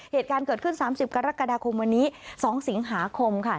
เหตุการณ์เกิดขึ้น๓๐กรกฎาคมวันนี้๒สิงหาคมค่ะ